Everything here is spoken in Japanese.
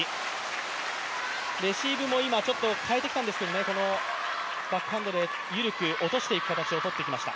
レシーブも今、変えてきたんですけどね、バックハンドで緩く落としていく形をとってきました。